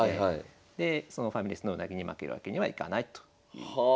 でそのファミレスのウナギに負けるわけにはいかないという。